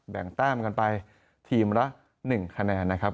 แต้มกันไปทีมละ๑คะแนนนะครับ